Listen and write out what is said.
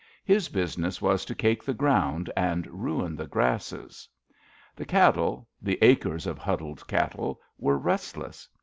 His busi ness was to cake the ground and ruin the grasses. The cattle — ^the acres of huddled cattle — ^were restless.